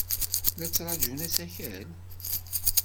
La tettṛajum asakal?